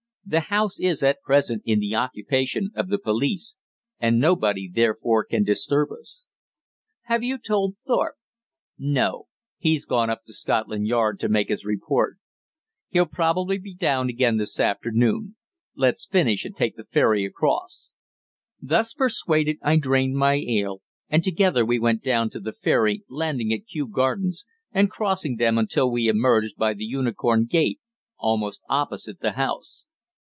The house is, at present, in the occupation of the police, and nobody therefore can disturb us." "Have you told Thorpe?" "No. He's gone up to Scotland Yard to make his report. He'll probably be down again this afternoon. Let's finish, and take the ferry across." Thus persuaded I drained my ale, and together we went down to the ferry, landing at Kew Gardens, and crossing them until we emerged by the Unicorn Gate, almost opposite the house.